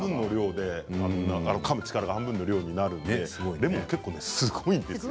かむ力が半分の量になるのでレモンは結構すごいんですよ。